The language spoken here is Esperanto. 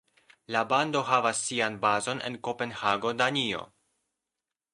La bando havas sian bazon en Kopenhago, Danio.